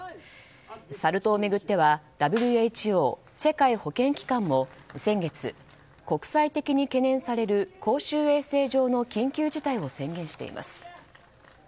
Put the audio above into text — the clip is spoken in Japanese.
サル痘を巡ってはＷＨＯ・世界保健機関も先月国際的に懸念される公衆衛生上の緊急事態を宣言しています。